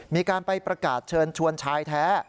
มีการไปประกาศเชิญชวนชายแท้